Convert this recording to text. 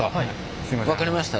分かりました。